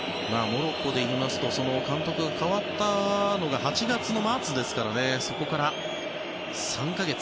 モロッコでいいますと監督が代わったのが８月の末ですからそこから３か月。